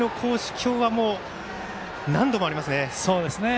今日は何度もありますね。